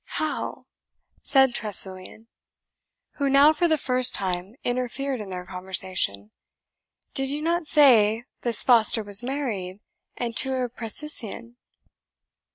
"How!" said Tressilian, who now for the first time interfered in their conversation; "did ye not say this Foster was married, and to a precisian?"